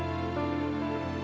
nanti aku ngantuk